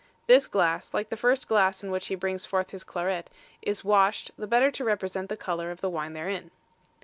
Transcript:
This glass, like the first glass in which he brings forth his claret, is washed, the better to represent the colour of the wine therein.